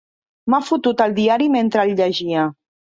M'ha fotut el diari mentre el llegia.